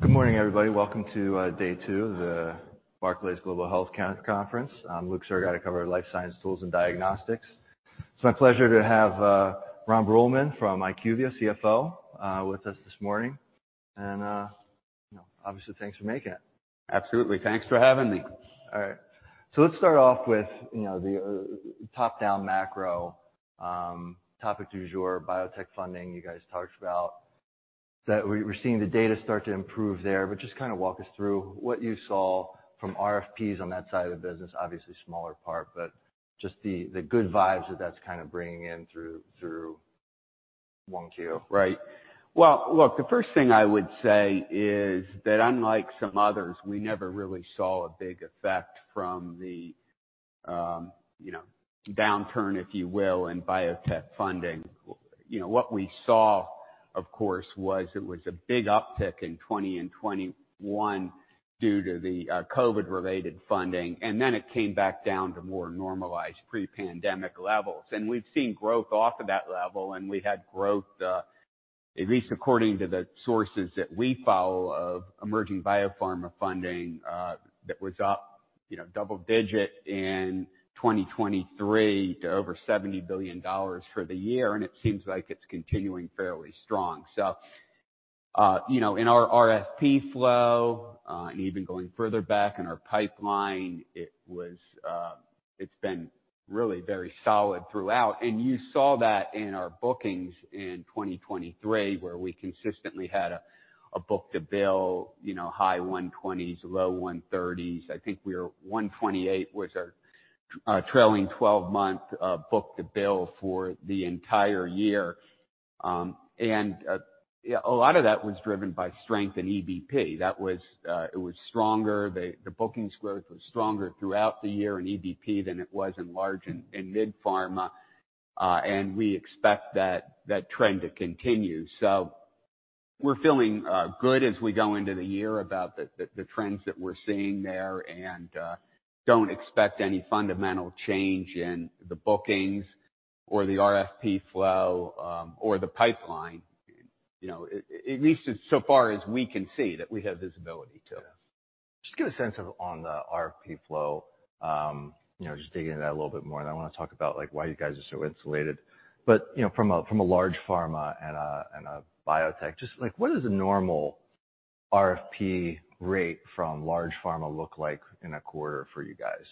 Good morning, everybody. Welcome to day two of the Barclays Global Healthcare Conference. I'm Luke Sergott, covering life science tools and diagnostics. It's my pleasure to have Ron Bruehlman from IQVIA, CFO, with us this morning. And obviously, thanks for making it. Absolutely. Thanks for having me. All right. So let's start off with the top-down macro, topic du jour, biotech funding you guys talked about. We're seeing the data start to improve there, but just kind of walk us through what you saw from RFPs on that side of the business, obviously smaller part, but just the good vibes that that's kind of bringing in through 1Q. Right. Well, look, the first thing I would say is that, unlike some others, we never really saw a big effect from the downturn, if you will, in biotech funding. What we saw, of course, was it was a big uptick in 2020 and 2021 due to the COVID-related funding, and then it came back down to more normalized pre-pandemic levels. And we've seen growth off of that level, and we had growth, at least according to the sources that we follow, of emerging biopharma funding that was up double-digit in 2023 to over $70 billion for the year, and it seems like it's continuing fairly strong. So in our RFP flow and even going further back in our pipeline, it's been really very solid throughout. And you saw that in our bookings in 2023 where we consistently had a book-to-bill high 120s, low 130s. I think 128 was our trailing 12-month book-to-bill for the entire year. A lot of that was driven by strength in EBP. It was stronger. The bookings growth was stronger throughout the year in EBP than it was in large and mid-pharma, and we expect that trend to continue. We're feeling good as we go into the year about the trends that we're seeing there and don't expect any fundamental change in the bookings or the RFP flow or the pipeline, at least so far as we can see that we have visibility to. Just get a sense of on the RFP flow, just digging into that a little bit more. I want to talk about why you guys are so insulated. But from a large pharma and a biotech, just what does a normal RFP rate from large pharma look like in a quarter for you guys?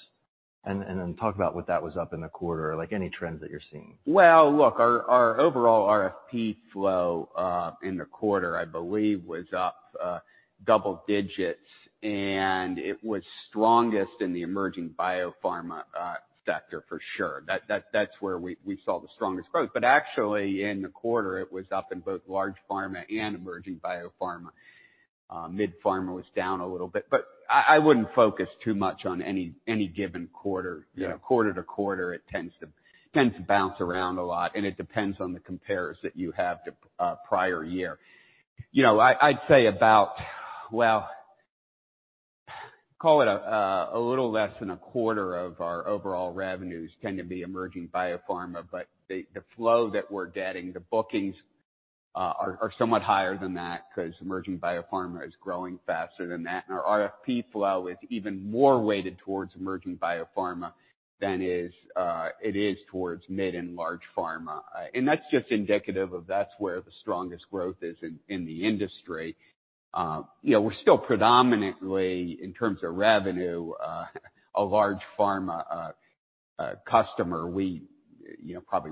And then talk about what that was up in the quarter, any trends that you're seeing. Well, look, our overall RFP flow in the quarter, I believe, was up double digits, and it was strongest in the emerging biopharma sector, for sure. That's where we saw the strongest growth. But actually, in the quarter, it was up in both large pharma and emerging biopharma. Mid-pharma was down a little bit. But I wouldn't focus too much on any given quarter. Quarter-to-quarter, it tends to bounce around a lot, and it depends on the comparison that you have to prior year. I'd say about, well, call it a little less than a quarter of our overall revenues tend to be emerging biopharma, but the flow that we're getting, the bookings are somewhat higher than that because emerging biopharma is growing faster than that. And our RFP flow is even more weighted towards emerging biopharma than it is towards mid and large pharma. That's just indicative of that's where the strongest growth is in the industry. We're still predominantly, in terms of revenue, a large pharma customer. Probably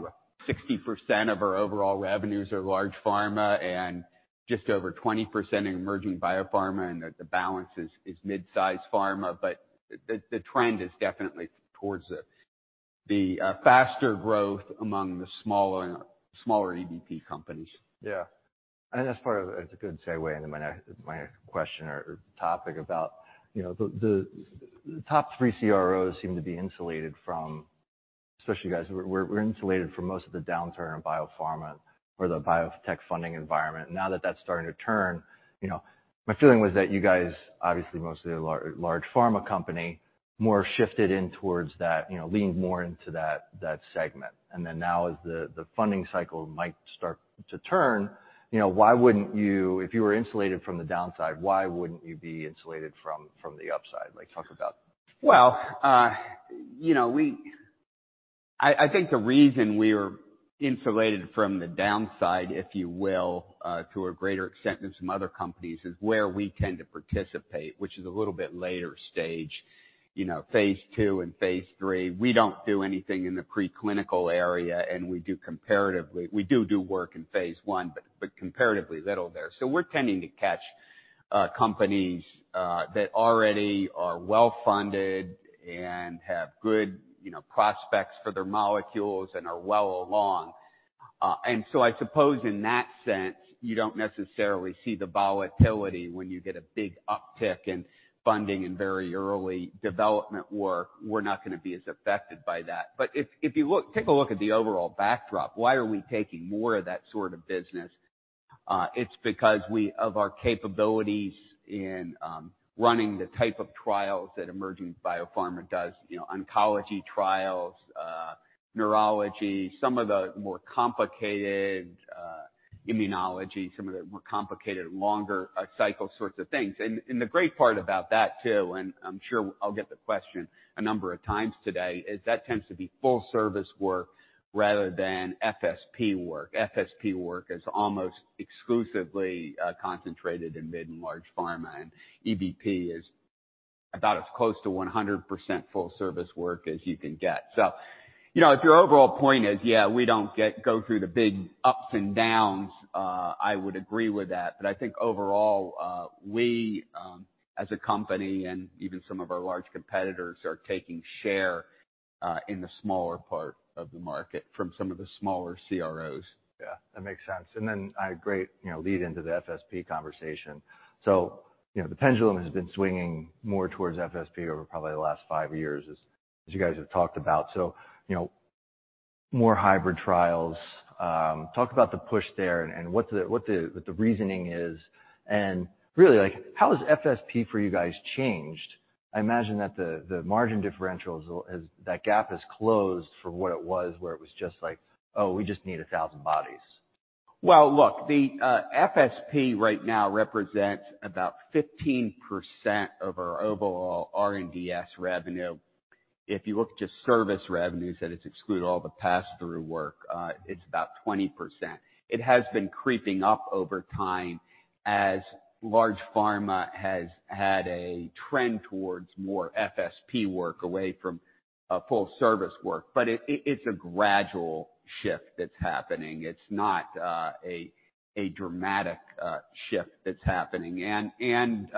60% of our overall revenues are large pharma and just over 20% in emerging biopharma, and the balance is midsize pharma. But the trend is definitely towards the faster growth among the smaller EBP companies. Yeah. And that's part of it, it's a good segue into my question or topic about the top three CROs seem to be insulated from especially you guys, we're insulated from most of the downturn in biopharma or the biotech funding environment. Now that that's starting to turn, my feeling was that you guys, obviously mostly a large pharma company, more shifted in towards that leaned more into that segment. And then now as the funding cycle might start to turn, why wouldn't you if you were insulated from the downside, why wouldn't you be insulated from the upside? Talk about. Well, I think the reason we were insulated from the downside, if you will, to a greater extent than some other companies is where we tend to participate, which is a little bit later stage, phase II and phase III. We don't do anything in the preclinical area, and we do comparatively little work in phase I, but comparatively little there. So we're tending to catch companies that already are well-funded and have good prospects for their molecules and are well along. And so I suppose in that sense, you don't necessarily see the volatility when you get a big uptick in funding and very early development work. We're not going to be as affected by that. But if you take a look at the overall backdrop, why are we taking more of that sort of business? It's because of our capabilities in running the type of trials that emerging biopharma does, oncology trials, neurology, some of the more complicated immunology, some of the more complicated longer-cycle sorts of things. The great part about that too, and I'm sure I'll get the question a number of times today, is that tends to be full-service work rather than FSP work. FSP work is almost exclusively concentrated in mid and large pharma, and EBP is about as close to 100% full-service work as you can get. So if your overall point is, yeah, we don't go through the big ups and downs, I would agree with that. But I think overall, we as a company and even some of our large competitors are taking share in the smaller part of the market from some of the smaller CROs. Yeah. That makes sense. And then a great lead into the FSP conversation. So the pendulum has been swinging more towards FSP over probably the last five years, as you guys have talked about. So more hybrid trials. Talk about the push there and what the reasoning is. And really, how has FSP for you guys changed? I imagine that the margin differentials, that gap has closed for what it was where it was just like, "Oh, we just need 1,000 bodies. Well, look, the FSP right now represents about 15% of our overall R&DS revenue. If you look at just service revenues that exclude all the pass-through work, it's about 20%. It has been creeping up over time as large pharma has had a trend towards more FSP work away from full-service work. But it's a gradual shift that's happening. It's not a dramatic shift that's happening. And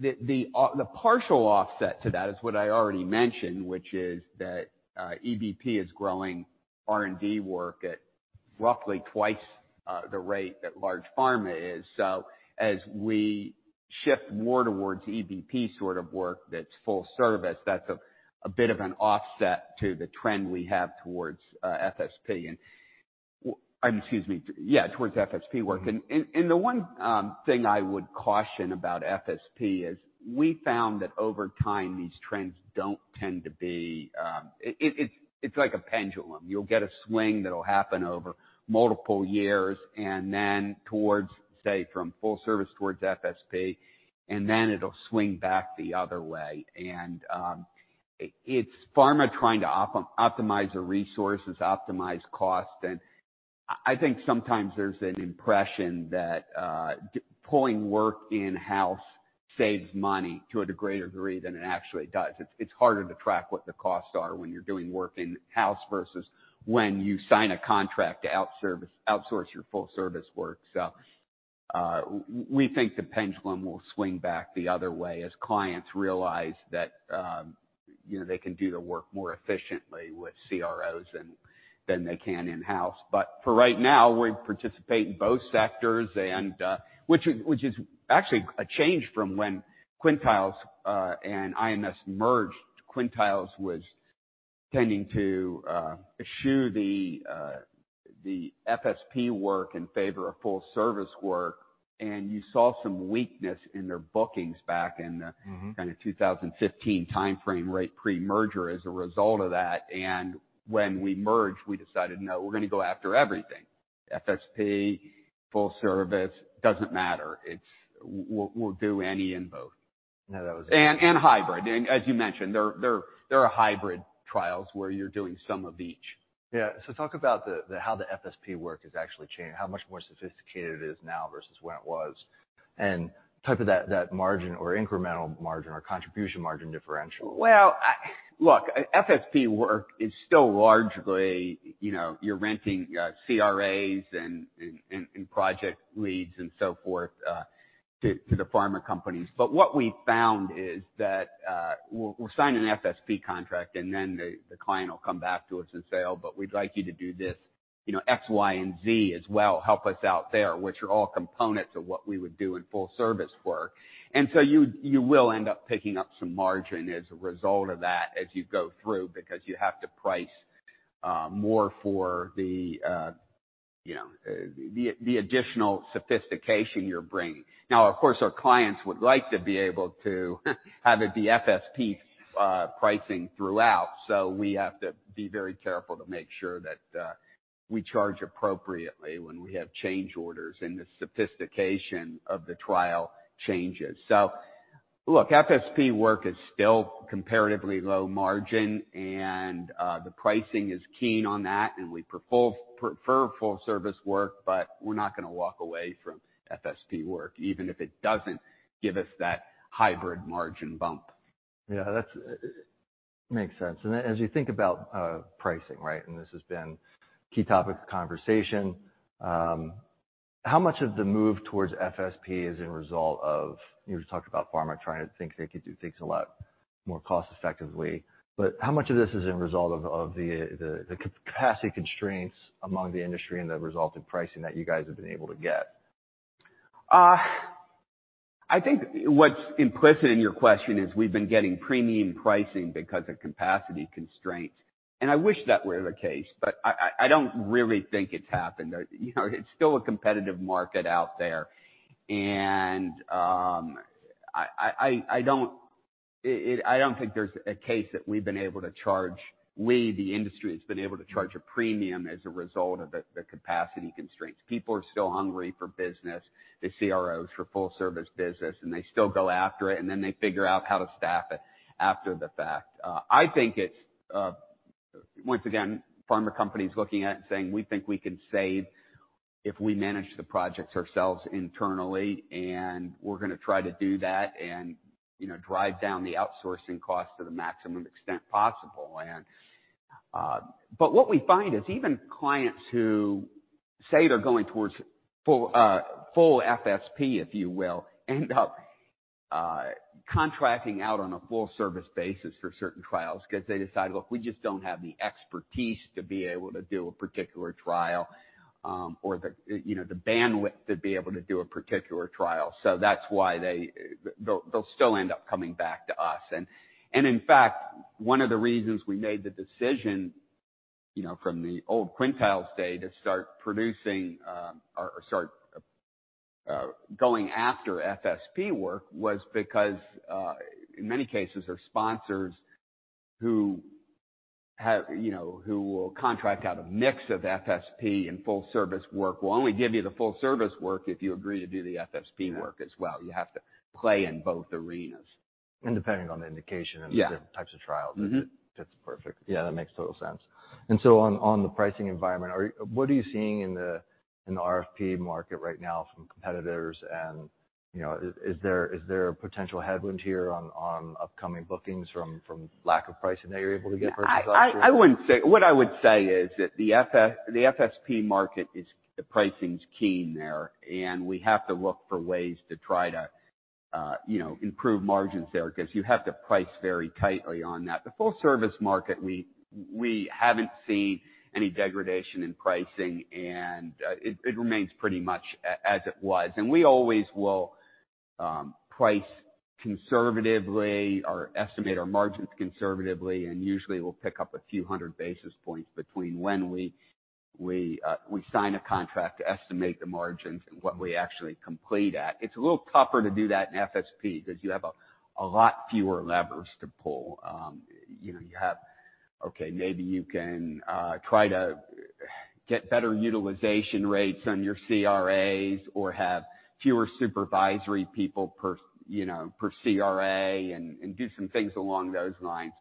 the partial offset to that is what I already mentioned, which is that EBP is growing R&D work at roughly twice the rate that large pharma is. So as we shift more towards EBP sort of work that's full-service, that's a bit of an offset to the trend we have towards FSP. And excuse me, yeah, towards FSP work. The one thing I would caution about FSP is we found that over time, these trends don't tend to be. It's like a pendulum. You'll get a swing that'll happen over multiple years and then, towards, say, from full-service towards FSP, and then it'll swing back the other way. It's pharma trying to optimize their resources, optimize cost. I think sometimes there's an impression that pulling work in-house saves money to a greater degree than it actually does. It's harder to track what the costs are when you're doing work in-house versus when you sign a contract to outsource your full-service work. We think the pendulum will swing back the other way as clients realize that they can do the work more efficiently with CROs than they can in-house. But for right now, we participate in both sectors, which is actually a change from when Quintiles and IMS merged. Quintiles was tending to eschew the FSP work in favor of full-service work, and you saw some weakness in their bookings back in the kind of 2015 timeframe right pre-merger as a result of that. And when we merged, we decided, "No, we're going to go after everything. FSP, full-service, doesn't matter. We'll do any in both. No, that was. Hybrid. As you mentioned, there are hybrid trials where you're doing some of each. Yeah. So talk about how the FSP work has actually changed, how much more sophisticated it is now versus when it was, and type of that margin or incremental margin or contribution margin differential. Well, look, FSP work is still largely you're renting CRAs and project leads and so forth to the pharma companies. But what we found is that we'll sign an FSP contract, and then the client will come back to us and say, "Oh, but we'd like you to do this X, Y, and Z as well. Help us out there," which are all components of what we would do in full-service work. And so you will end up picking up some margin as a result of that as you go through because you have to price more for the additional sophistication you're bringing. Now, of course, our clients would like to be able to have it be FSP pricing throughout, so we have to be very careful to make sure that we charge appropriately when we have change orders and the sophistication of the trial changes. Look, FSP work is still comparatively low margin, and the pricing is keen on that. We prefer full-service work, but we're not going to walk away from FSP work even if it doesn't give us that hybrid margin bump. Yeah. That makes sense. And as you think about pricing, right, and this has been a key topic of conversation, how much of the move towards FSP is a result of you talked about pharma trying to think they could do things a lot more cost-effectively. But how much of this is a result of the capacity constraints among the industry and the resulting pricing that you guys have been able to get? I think what's implicit in your question is we've been getting premium pricing because of capacity constraints. And I wish that were the case, but I don't really think it's happened. It's still a competitive market out there. And I don't think there's a case that we've been able to charge we, the industry, has been able to charge a premium as a result of the capacity constraints. People are still hungry for business, the CROs, for full-service business, and they still go after it, and then they figure out how to staff it after the fact. I think it's, once again, pharma companies looking at it and saying, "We think we can save if we manage the projects ourselves internally, and we're going to try to do that and drive down the outsourcing cost to the maximum extent possible." But what we find is even clients who say they're going towards full FSP, if you will, end up contracting out on a full-service basis for certain trials because they decide, "Look, we just don't have the expertise to be able to do a particular trial or the bandwidth to be able to do a particular trial." So that's why they'll still end up coming back to us. In fact, one of the reasons we made the decision from the old Quintiles day to start producing or start going after FSP work was because, in many cases, our sponsors who will contract out a mix of FSP and full-service work will only give you the full-service work if you agree to do the FSP work as well. You have to play in both arenas. Depending on the indication and the types of trials, that's perfect. Yeah, that makes total sense. So on the pricing environment, what are you seeing in the RFP market right now from competitors? Is there a potential headwind here on upcoming bookings from lack of pricing that you're able to get versus last year? What I would say is that the FSP market is pricing is keen there, and we have to look for ways to try to improve margins there because you have to price very tightly on that. The full-service market, we haven't seen any degradation in pricing, and it remains pretty much as it was. We always will price conservatively or estimate our margins conservatively, and usually, we'll pick up a few hundred basis points between when we sign a contract to estimate the margins and what we actually complete at. It's a little tougher to do that in FSP because you have a lot fewer levers to pull. You have, okay, maybe you can try to get better utilization rates on your CRAs or have fewer supervisory people per CRA and do some things along those lines.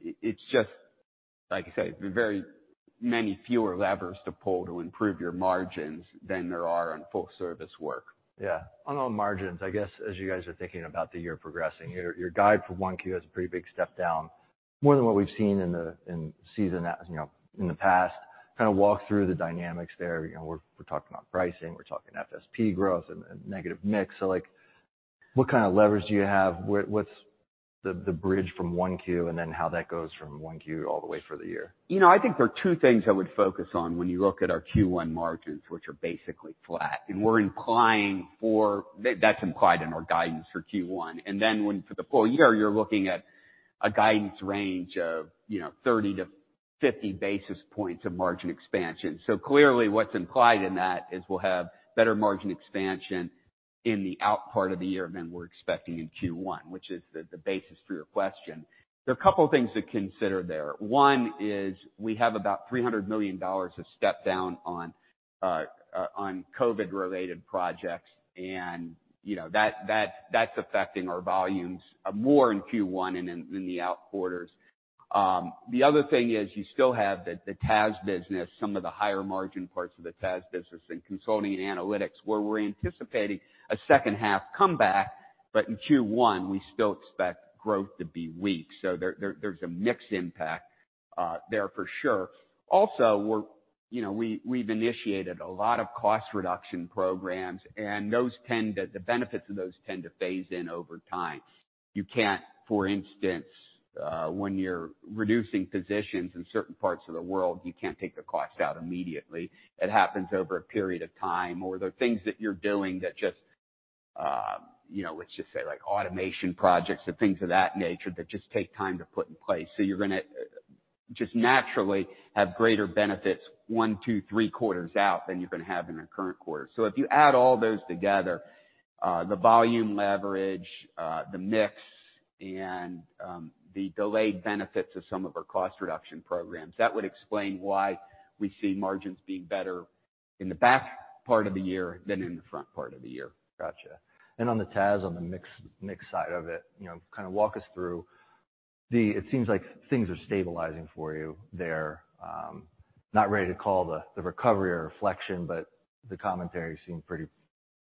It's just, like I say, very many fewer levers to pull to improve your margins than there are on full-service work. Yeah. On margins, I guess, as you guys are thinking about the year progressing, your guide for 1Q has a pretty big step down, more than what we've seen in season in the past. Kind of walk through the dynamics there. We're talking about pricing. We're talking FSP growth and negative mix. So what kind of levers do you have? What's the bridge from 1Q and then how that goes from 1Q all the way for the year? I think there are two things I would focus on when you look at our Q1 margins, which are basically flat. We're implying for that's implied in our guidance for Q1. Then for the full year, you're looking at a guidance range of 30-50 basis points of margin expansion. Clearly, what's implied in that is we'll have better margin expansion in the out part of the year than we're expecting in Q1, which is the basis for your question. There are a couple of things to consider there. One is we have about $300 million of step down on COVID-related projects, and that's affecting our volumes more in Q1 and in the out quarters. The other thing is you still have the TAS business, some of the higher margin parts of the TAS business, and consulting and analytics where we're anticipating a second-half comeback. In Q1, we still expect growth to be weak. There's a mixed impact there for sure. Also, we've initiated a lot of cost reduction programs, and the benefits of those tend to phase in over time. You can't, for instance, when you're reducing positions in certain parts of the world, you can't take the cost out immediately. It happens over a period of time, or there are things that you're doing that just, let's just say, automation projects and things of that nature that just take time to put in place. You're going to just naturally have greater benefits one, two, three quarters out than you're going to have in the current quarter. So if you add all those together, the volume leverage, the mix, and the delayed benefits of some of our cost reduction programs, that would explain why we see margins being better in the back part of the year than in the front part of the year. Gotcha. And on the TAS, on the mix side of it, kind of walk us through the, it seems like things are stabilizing for you there. Not ready to call the recovery or reflection, but the commentary seemed pretty,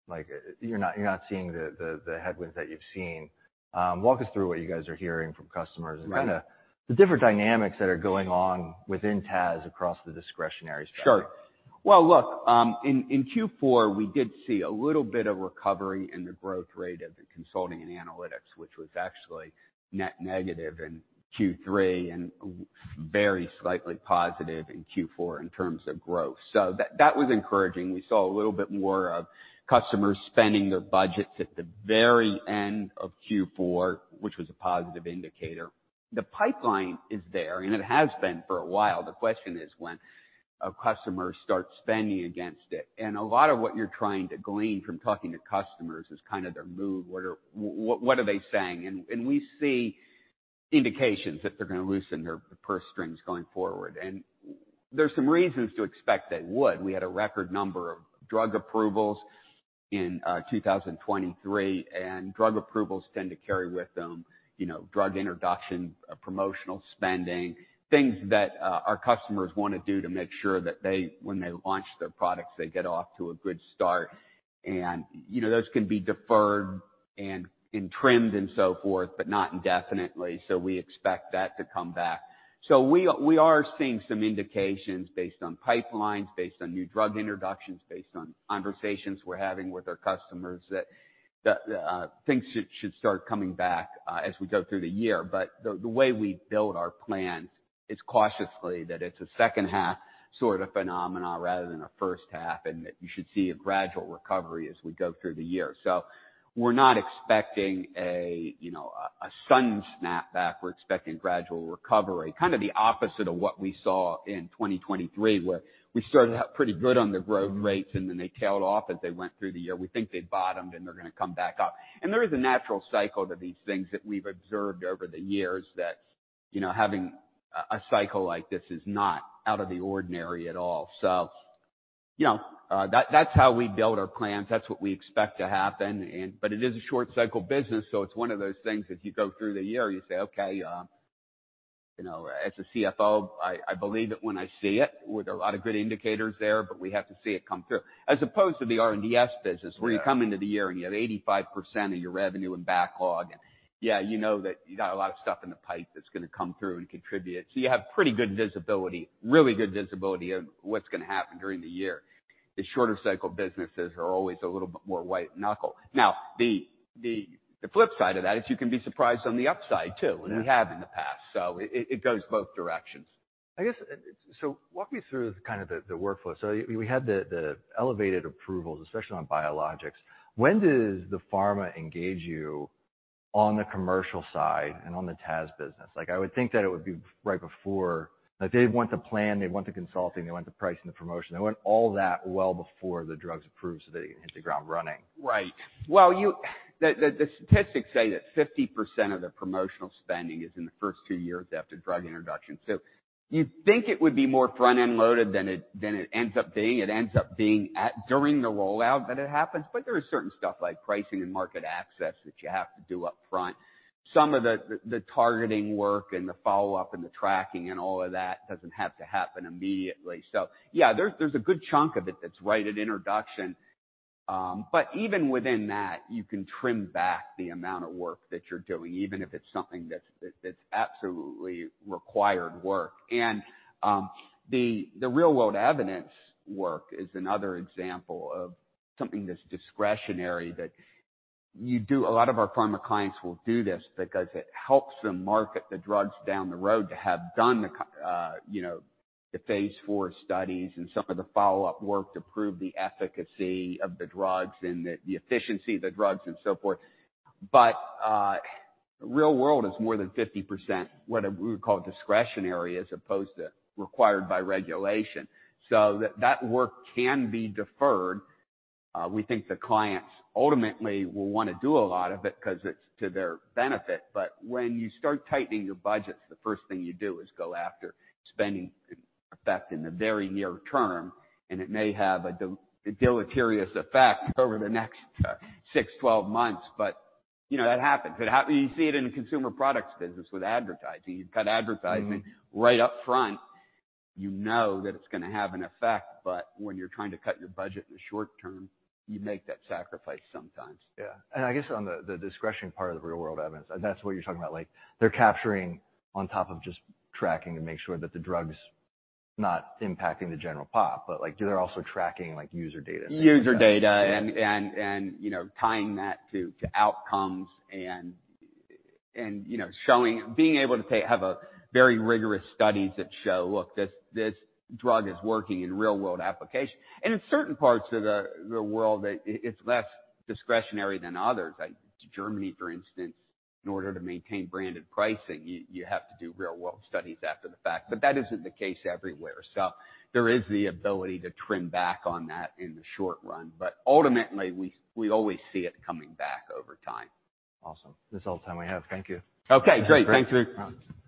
like, you're not seeing the headwinds that you've seen. Walk us through what you guys are hearing from customers and kind of the different dynamics that are going on within TAS across the discretionary spectrum. Sure. Well, look, in Q4, we did see a little bit of recovery in the growth rate of the consulting and analytics, which was actually net negative in Q3 and very slightly positive in Q4 in terms of growth. So that was encouraging. We saw a little bit more of customers spending their budgets at the very end of Q4, which was a positive indicator. The pipeline is there, and it has been for a while. The question is when a customer starts spending against it. And a lot of what you're trying to glean from talking to customers is kind of their mood. What are they saying? And we see indications that they're going to loosen their purse strings going forward. And there's some reasons to expect they would. We had a record number of drug approvals in 2023, and drug approvals tend to carry with them drug introduction, promotional spending, things that our customers want to do to make sure that when they launch their products, they get off to a good start. Those can be deferred and trimmed and so forth, but not indefinitely. We expect that to come back. We are seeing some indications based on pipelines, based on new drug introductions, based on conversations we're having with our customers that things should start coming back as we go through the year. But the way we build our plans is cautiously that it's a second-half sort of phenomena rather than a first half, and that you should see a gradual recovery as we go through the year. We're not expecting a sudden snapback. We're expecting gradual recovery, kind of the opposite of what we saw in 2023 where we started out pretty good on the growth rates, and then they tailed off as they went through the year. We think they've bottomed, and they're going to come back up. There is a natural cycle to these things that we've observed over the years that having a cycle like this is not out of the ordinary at all. That's how we build our plans. That's what we expect to happen. It is a short-cycle business, so it's one of those things as you go through the year, you say, "Okay." As a CFO, I believe it when I see it. There are a lot of good indicators there, but we have to see it come through, as opposed to the R&DS business where you come into the year, and you have 85% of your revenue in backlog. And yeah, you know that you got a lot of stuff in the pipe that's going to come through and contribute. So you have pretty good visibility, really good visibility of what's going to happen during the year. The shorter-cycle businesses are always a little bit more white-knuckle. Now, the flip side of that is you can be surprised on the upside too, and we have in the past. So it goes both directions. Walk me through kind of the workflow. We had the elevated approvals, especially on biologics. When does the pharma engage you on the commercial side and on the TAS business? I would think that it would be right before. They want the plan. They want the consulting. They want the pricing and the promotion. They want all that well before the drug's approved so that it can hit the ground running. Right. Well, the statistics say that 50% of the promotional spending is in the first two years after drug introduction. So you'd think it would be more front-end loaded than it ends up being. It ends up being during the rollout that it happens. But there is certain stuff like pricing and market access that you have to do upfront. Some of the targeting work and the follow-up and the tracking and all of that doesn't have to happen immediately. So yeah, there's a good chunk of it that's right at introduction. But even within that, you can trim back the amount of work that you're doing, even if it's something that's absolutely required work. And the real-world evidence work is another example of something that's discretionary that you do. A lot of our pharma clients will do this because it helps them market the drugs down the road to have done the phase four studies and some of the follow-up work to prove the efficacy of the drugs and the efficiency of the drugs and so forth. But real world is more than 50% what we would call discretionary as opposed to required by regulation. So that work can be deferred. We think the clients ultimately will want to do a lot of it because it's to their benefit. But when you start tightening your budgets, the first thing you do is go after spending effect in the very near term, and it may have a deleterious effect over the next 6, 12 months. But that happens. You see it in the consumer products business with advertising. You cut advertising right upfront. You know that it's going to have an effect. But when you're trying to cut your budget in the short term, you make that sacrifice sometimes. Yeah. And I guess on the discretion part of the real-world evidence, that's what you're talking about. They're capturing on top of just tracking to make sure that the drug's not impacting the general pop. But are they also tracking user data? User data and tying that to outcomes and being able to have very rigorous studies that show, "Look, this drug is working in real-world application." And in certain parts of the world, it's less discretionary than others. Germany, for instance, in order to maintain branded pricing, you have to do real-world studies after the fact. But that isn't the case everywhere. So there is the ability to trim back on that in the short run. But ultimately, we always see it coming back over time. Awesome. That's all the time we have. Thank you. Okay. Great. Thank you.